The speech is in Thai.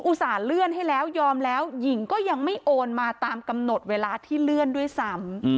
ส่าหเลื่อนให้แล้วยอมแล้วหญิงก็ยังไม่โอนมาตามกำหนดเวลาที่เลื่อนด้วยซ้ำ